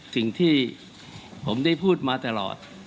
สิ่งที่ผมได้พูดมาตลอด